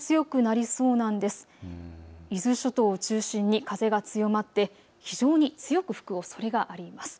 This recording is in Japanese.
伊豆諸島を中心に風が強まって非常に強く吹くおそれがあります。